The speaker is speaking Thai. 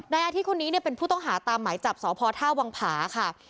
นายอาทิตย์คนนี้เป็นผู้ต้องหาตามหมายจับสพท่าวังผาค่ะ